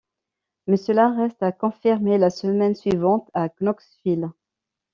Mais cela reste à confirmer la semaine suivante à Knoxville.